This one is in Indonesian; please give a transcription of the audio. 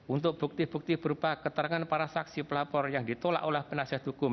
untuk bukti bukti berupa keterangan para saksi pelapor yang ditolak oleh penasihat hukum